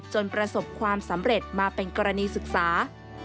ประสบความสำเร็จมาเป็นกรณีศึกษา